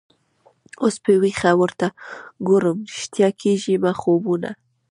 اوس په ویښه ورته ګورم ریشتیا کیږي مي خوبونه